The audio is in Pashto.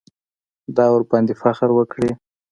دا ورباندې فکر وکړي.